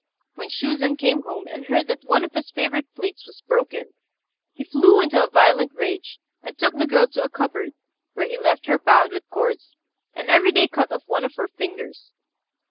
When Shuzen came home, and heard that one of his favourite plates was broken, he flew into a violent rage, and took the girl to a cupboard, where he left her bound with cords, and every day cut off one of her fingers.